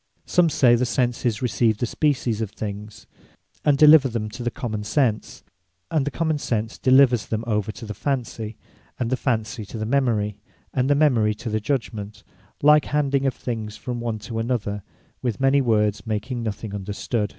Some say the Senses receive the Species of things, and deliver them to the Common sense; and the Common Sense delivers them over to the Fancy, and the Fancy to the Memory, and the Memory to the Judgement, like handing of things from one to another, with many words making nothing understood.